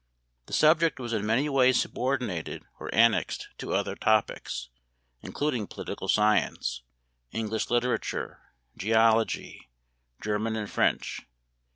The subject was in many cases subordinated or annexed to other topics, including political science, English literature, geology, German and French.